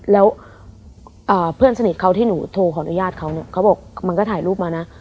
แล้วเพื่อนสนิทเขาที่หนูโทรขออนุญาตเขาเนี่ยเขาบอกมันก็ถ่ายรูปมานะ